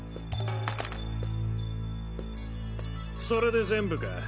それで全部か？